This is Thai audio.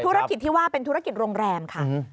ธุรกิจที่ว่าเป็นธุรกิจโรงแรมค่ะ